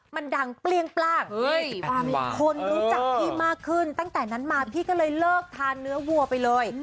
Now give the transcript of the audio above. มันดังเปรี้ยงปล่างคนรู้จักพี่มากขึ้นตั้งแต่นั้นมาพี่ก็เลยเลิกทานเนื้อวัวไปเลย